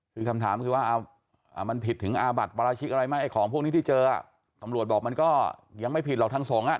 คือคำถามคือว่ามันผิดถึงอาบัติปราชิกอะไรไหมของพวกนี้ที่เจอตำรวจบอกมันก็ยังไม่ผิดหรอกทางสงฆ์